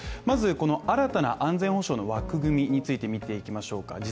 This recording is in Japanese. まず新たな安全保障の枠組みについて見ていきましょうか。